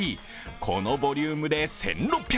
このボリュームで１６００円。